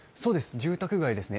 住宅街ですね。